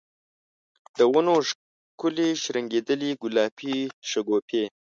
د ونو ښکلي شرنګیدلي ګلابې شګوفي